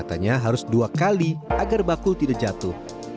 matanya harus dua kali agar bakul tidak jatuh